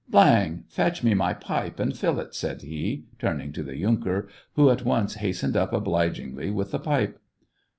"Viang ! fetch me my pipe, and fill it," said he, turning to the yunker, who at once hastened up obligingly with the pipe.